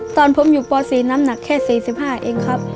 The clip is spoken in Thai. ตอนผมอยู่ป๔น้ำหนักแค่๔๕เองครับ